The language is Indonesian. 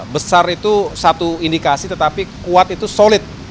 besar itu satu indikasi tetapi kuat itu solid